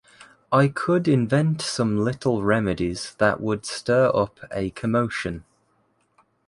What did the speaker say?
I could invent some little remedies that would stir up a commotion.